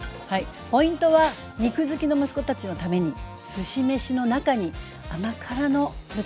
ポイントは肉好きの息子たちのためにすし飯の中に甘辛の豚肉が隠れているところ。